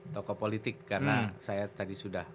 tokoh politik karena saya tadi sudah